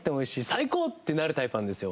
最高！」ってなるタイプなんですよ。